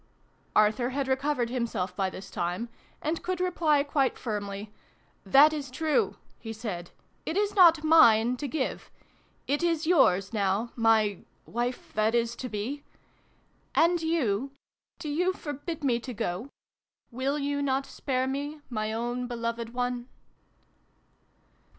" Arthur had recovered himself by this time, and could reply quite firmly, " That is true," he said. " It is not mine to give. It is yours, now, my wife that is to be ! And you && you forbid me to go ? Will you not spare me, my own beloved one